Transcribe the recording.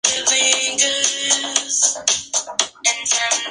Es una cantante mezzo-soprano.